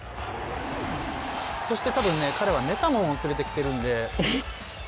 そしてたぶんね彼はメタモンを連れてきてるんで。